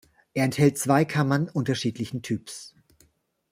Er enthält zwei Kammern unterschiedlichen Typs.